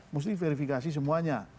mesti diverifikasi semuanya